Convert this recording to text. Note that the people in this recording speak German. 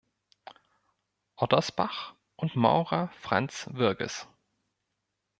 Ottersbach und Maurer Franz Wirges.